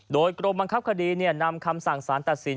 โดยกรมบังคับคดีนำคำสั่งสารตัดสิน